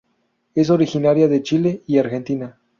Es originaria de Chile y Argentina.